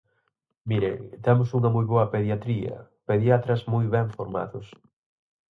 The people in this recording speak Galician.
Mire, temos unha moi boa pediatría, pediatras moi ben formados.